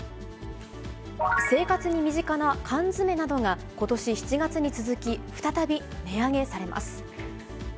生活に身近な缶詰などが、ことし７月に続き、再び値上げされます。